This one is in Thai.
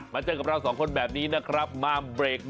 เจอกับเราสองคนแบบนี้นะครับมาเบรก